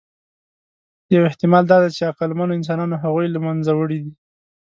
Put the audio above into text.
یو احتمال دا دی، چې عقلمنو انسانانو هغوی له منځه وړي دي.